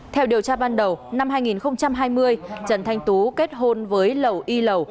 theo điều tra ban đầu năm hai nghìn hai mươi trần thanh tú kết hôn với lầu y lầu